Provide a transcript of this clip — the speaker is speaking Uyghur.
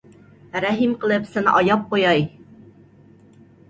رەھىم قىلىپ سېنى ئاياپ قوياي.